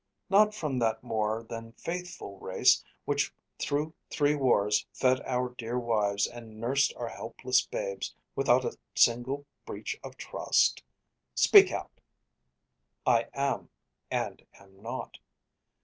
Not from That more than faithful race which through three wars Fed our dear wives and nursed our helpless babes Without a single breach of trust? Speak out! I am, and am not.